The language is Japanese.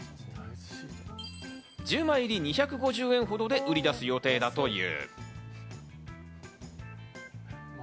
１０枚入り２５０円ほどで売り出す予定だという。